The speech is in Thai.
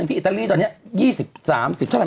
อิตาลีอันนี้๒๐เท่าไหร่